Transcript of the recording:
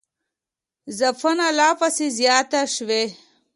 ځپنه لاپسې زیاته شوې